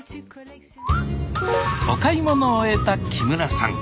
お買い物を終えた木村さん。